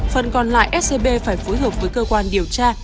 phần còn lại scb phải phối hợp với cơ quan điều tra